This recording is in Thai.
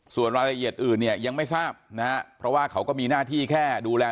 ส่วนรายละเอียดอื่นเนี่ยยังไม่ทราบนะฮะเพราะว่าเขาก็มีหน้าที่แค่ดูแล